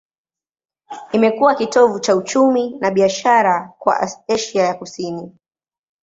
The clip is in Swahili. Imekuwa kitovu cha uchumi na biashara kwa Asia ya Kusini.